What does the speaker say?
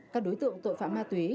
các đối tượng tội phạm ma túy